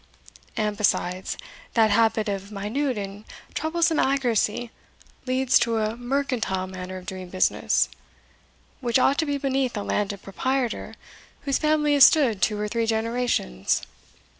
And besides, that habit of minute and troublesome accuracy leads to a mercantile manner of doing business, which ought to be beneath a landed proprietor whose family has stood two or three generations.